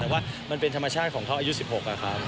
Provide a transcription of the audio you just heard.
แต่ว่ามันเป็นธรรมชาติของเขาอายุ๑๖ครับ